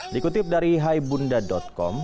dikutip dari haibunda com